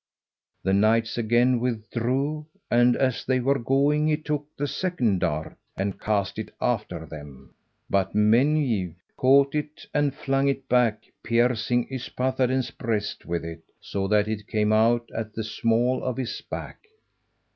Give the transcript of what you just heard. The knights again withdrew, and as they were going he took the second dart and cast it after them. But Menw caught it and flung it back, piercing Yspathaden's breast with it, so that it came out at the small of his back.